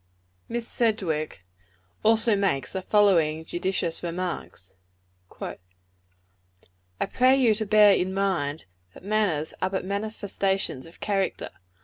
Miss Sedgwick also makes the following judicious remarks: "I pray you to bear in mind, that manners are but manifestations of character.